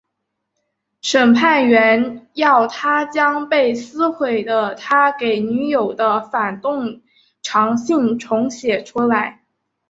审判员要他将被撕毁的他给女友的反动长信重写出来。